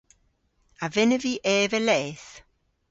A vynnav vy eva leth?